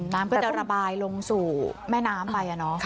น้ำก็จะระบายลงสู่แม่น้ำไปอ่ะเนาะ